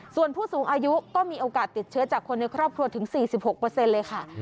ส่วนผู้สูงอายุก็มีโอกาสติดเชื้อจากคนในครอบครัวถึง๔๖เลยค่ะ